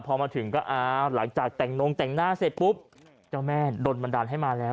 พอมาถึงก็อ้าวหลังจากแต่งนงแต่งหน้าเสร็จปุ๊บเจ้าแม่โดนบันดาลให้มาแล้ว